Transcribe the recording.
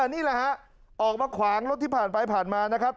นี่แหละฮะออกมาขวางรถที่ผ่านไปผ่านมานะครับ